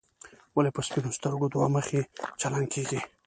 ولې په سپینو سترګو دوه مخي چلن کېږي.